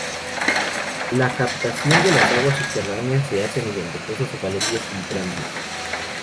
La captación de las aguas subterráneas se hace mediante pozos o galerías filtrantes.